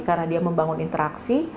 karena dia membangun interaksi